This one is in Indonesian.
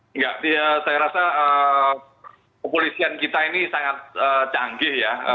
enggak saya rasa kepolisian kita ini sangat canggih ya